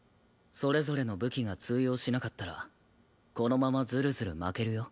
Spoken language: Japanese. それぞれの武器が通用しなかったらこのままズルズル負けるよ？